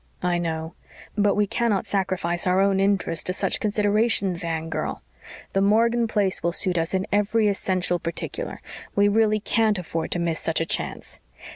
"I know. But we cannot sacrifice our own interests to such considerations, Anne girl. The Morgan place will suit us in every essential particular we really can't afford to miss such a chance.